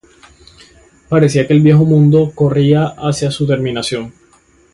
Parecía que el viejo mundo corría hacia su terminación.